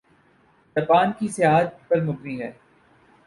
Japan کی سیاحت پر مبنی ہے